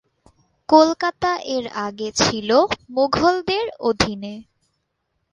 কলকাতা এর আগে ছিল মুঘলদের অধীনে।